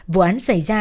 vụ án xảy ra